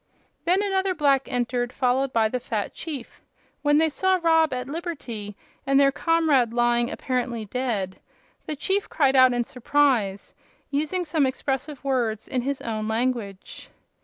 Then another black entered, followed by the fat chief. When they saw Rob at liberty, and their comrade lying apparently dead, the chief cried out in surprise, using some expressive words in his own language.